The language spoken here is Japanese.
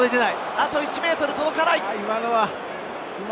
あと１ｍ届いていない。